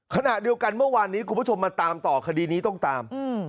ขณะเดียวกันเมื่อวานนี้คุณผู้ชมมาตามต่อคดีนี้ต้องตาม